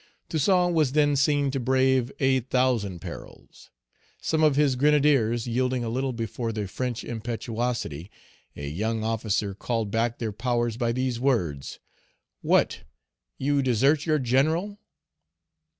Toussaint was then seen to brave a thousand perils. Some of his grenadiers yielding a little before the French impetuosity, a young officer called back their powers by these words, "What! you desert your general!"